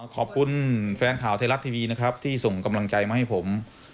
แฟนข่าวไทยรัฐทีวีนะครับที่ส่งกำลังใจมาให้ผม